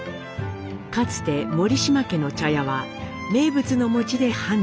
かつて森島家の茶屋は名物の餅で繁盛。